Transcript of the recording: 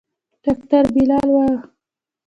ډاکتر بلال و.